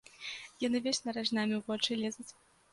Яны вечна ражнамі ў вочы лезуць.